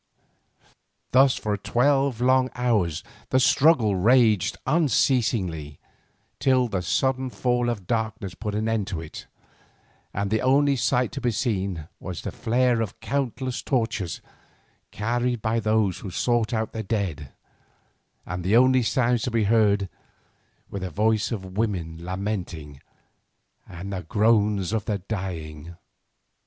Thus for twelve long hours the struggle raged unceasingly, till the sudden fall of darkness put an end to it, and the only sight to be seen was the flare of countless torches carried by those who sought out the dead, and the only sounds to be heard were the voice of women lamenting, and the groans of the dying.